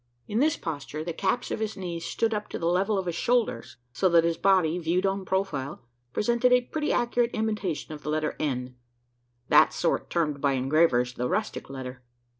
In this posture, the caps of his knees stood up to the level of his shoulders so that his body, viewed en profile, presented a pretty accurate imitation of the letter N that sort termed by engravers the "rustic letter."